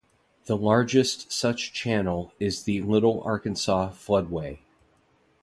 The largest such channel is the Little Arkansas Floodway.